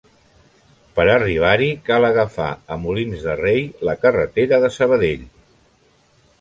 Per arribar-hi cal agafar, a Molins de Rei, la carretera de Sabadell.